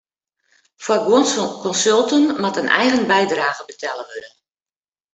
Foar guon konsulten moat in eigen bydrage betelle wurde.